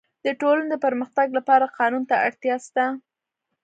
د ټولني د پرمختګ لپاره قانون ته اړتیا سته.